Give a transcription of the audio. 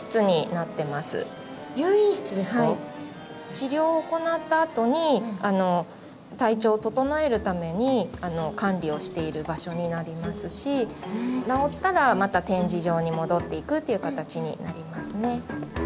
治療を行ったあとに体調を整えるために管理をしている場所になりますし治ったらまた展示場に戻っていくっていう形になりますね。